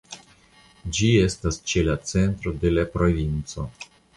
Ĝi estas ĉe la centro de la provinco.